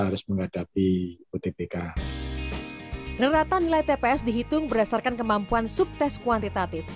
rata rata nilai tps dihitung berdasarkan kemampuan subtes kuantitatif